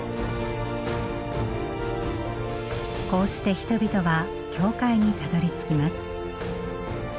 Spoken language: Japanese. こうして人々は教会にたどりつきます。